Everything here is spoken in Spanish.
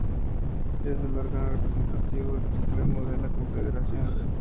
Es el órgano representativo supremo de la Confederación.